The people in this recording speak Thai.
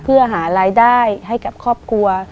เพื่อหารายได้ให้กับครอบครัว